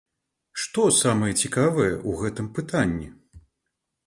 Што самае цікавае ў гэтым пытанні?